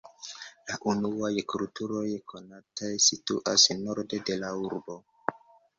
La unuaj kulturoj konataj situas norde de la urbo.